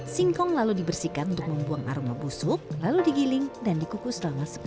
singkong lalu dibersihkan untuk membuang aroma busuk lalu digiling dan dikukus selama sepuluh jam